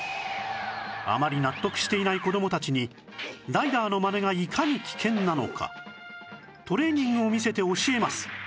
あまり納得していない子供たちにライダーのマネがいかに危険なのかトレーニングを見せて教えます